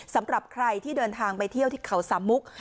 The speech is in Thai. สำหรับใครที่เดินทางไปเที่ยวที่เขาสามมุก